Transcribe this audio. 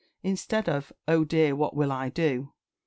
Instead of "Oh dear, what will I do?"